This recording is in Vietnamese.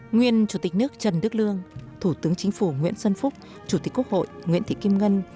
nguyên chủ tịch nước trần đức lương thủ tướng chính phủ nguyễn xuân phúc chủ tịch quốc hội nguyễn thị kim ngân